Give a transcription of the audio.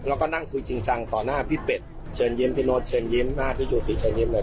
แล้วก็นั่งคุยจริงจังต่อหน้าพี่เป็ดเชิญยิ้มพี่โน๊ตเชิญยิ้มหน้าพี่อยู่ศรีเชิญยิ้มเลย